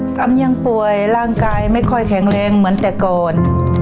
ซ้ำยังป่วยร่างกายไม่ค่อยแข็งแรงเหมือนแต่ก่อน